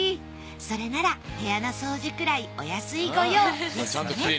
それなら部屋の掃除くらいお安いご用ですね。